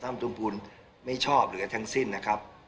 ท่านเพิ่มพูลไม่ชอบเหลือทั้งสิ้นนะครับ